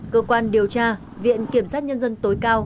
cơ quan điều tra viện kiểm sát nhân dân tối cao